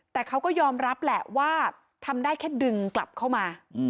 แต่เขาก็ยอมรับแหละว่าทำได้แค่ดึงกลับเข้ามา